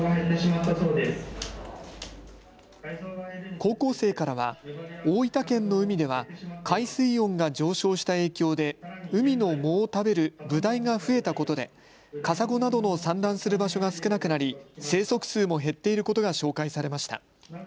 高校生からは大分県の海では海水温が上昇した影響で海の藻を食べるブダイが増えたことでカサゴなどの産卵する場所が少なくなり生息数も減っていることが紹介されました。